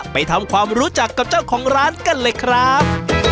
ไปทำความรู้จักกับเจ้าของร้านกันเลยครับ